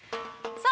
◆さあ